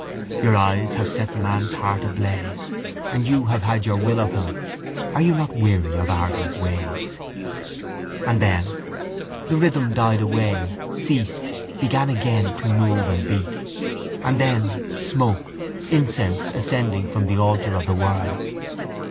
Your eyes have set man's heart ablaze And you have had your will of him. Are you not weary of ardent ways? And then? The rhythm died away, ceased, began again to move and beat. And then? Smoke, incense ascending from the altar of the world.